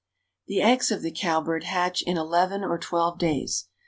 The eggs of the cowbird hatch in eleven or twelve days.